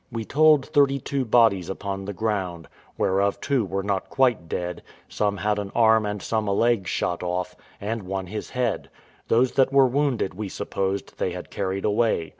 We told thirty two bodies upon the ground, whereof two were not quite dead; some had an arm and some a leg shot off, and one his head; those that were wounded, we supposed, they had carried away.